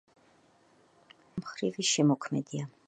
ხარაბაძე მრავალმხრივი შემოქმედია.